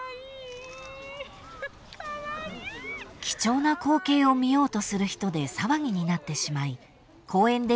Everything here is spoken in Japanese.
［貴重な光景を見ようとする人で騒ぎになってしまい公園